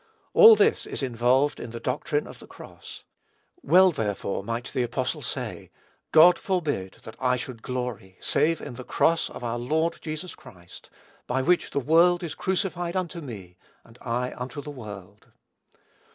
All this is involved in the doctrine of the cross. Well, therefore, might the apostle say, "God forbid that I should glory save in the cross of our Lord Jesus Christ, by which the world is crucified unto me, and I unto the world."